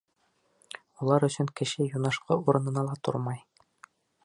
Улар өсөн кеше юнышҡы урынына ла тормай.